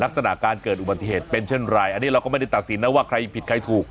ลักษณะการเกิดอุบัติเหตุเป็นเช่นไรอันนี้เราก็ไม่ได้ตัดสินนะว่าใครผิดใครถูก